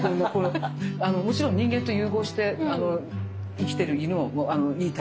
もちろん人間と融合して生きてる犬もいい